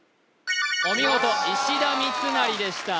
お見事石田三成でした